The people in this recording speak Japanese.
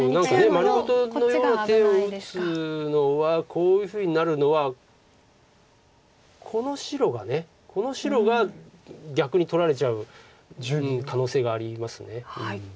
丸ごとのような手を打つのはこういうふうになるのはこの白が逆に取られちゃう可能性があります。